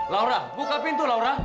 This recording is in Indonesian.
laura buka pintu laura